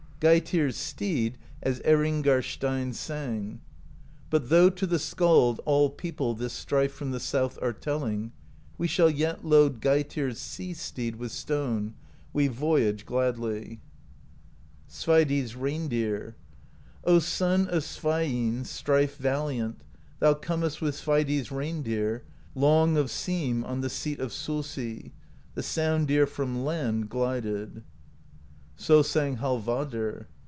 Geitir's Steed, as Erringar Steinn sang: But though to the skald all people This strife from the south are telling, We shall yet load Geitir's Sea Steed With stone; we voyage gladly. 192 PROSE EDDA Sveidi's Reindeer: O Son of Sveinn strife valiant, Thou comest with Sveidi's Reindeer, Long of seam, on the Seat of Solsi; The Sound Deer from land glided. So sang Hallvardr.